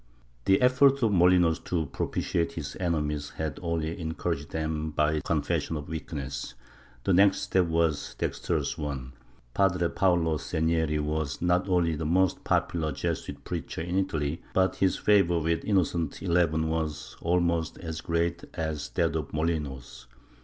^ The effort of Molinos to propitiate his enemies had only encour aged them by its confession of weakness. Their next step was a dextrous one. Padre Paolo Segneri was not only the most popular Jesuit preacher in Italy, but his favor with Innocent XI was almost as great as that of Molinos.